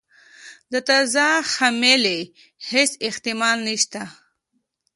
د تازه حملې هیڅ احتمال نسته.